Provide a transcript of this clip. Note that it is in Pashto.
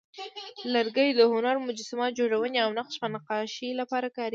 لرګی د هنر، مجسمه جوړونې، او نقش و نقاشۍ لپاره کارېږي.